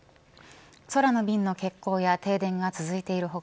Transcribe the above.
空の便の欠航や停電が続いている他